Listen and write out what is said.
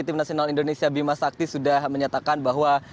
timnasional indonesia bima sakti sudah menyatakan bahwa